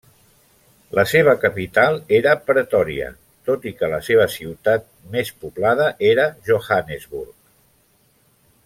La seva capital era Pretòria, tot i que la seva ciutat més poblada era Johannesburg.